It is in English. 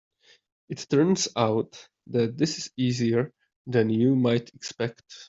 It turns out this is easier than you might expect.